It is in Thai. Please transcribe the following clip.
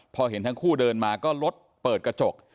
พอเห็นทั้งคู่เดินมาก็รถเปิดกระจก